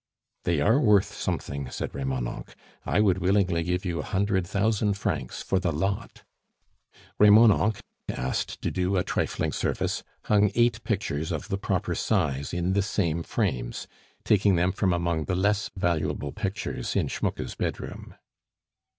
"They are worth something," said Remonencq. "I would willingly give you a hundred thousand francs for the lot." Remonencq, asked to do a trifling service, hung eight pictures of the proper size in the same frames, taking them from among the less valuable pictures in Schmucke's bedroom.